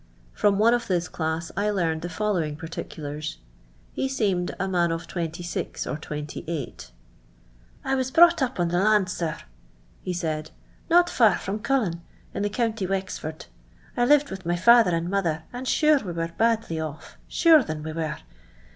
From one of this class I learned the following particulars. He seemed a man of 2G or 2S :—" I was brought up on the land, sir,' he said, " not far from Cullin, in the county Wexford. I lived with my lather and mother, and shure we were badly off. Shure, thin, we were.